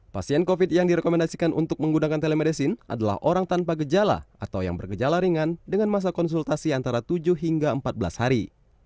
pasien covid yang direkomendasikan untuk menggunakan telemedicine adalah orang tanpa gejala atau yang bergejala ringan dengan masa konsultasi antara tujuh hingga empat belas hari